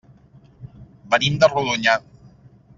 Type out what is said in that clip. Venim de Rodonyà.